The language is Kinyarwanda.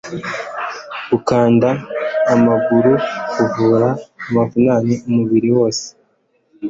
gukanda amaguru bivura amavunane umubiri wose